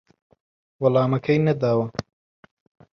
وەڵامەکەی نەداوە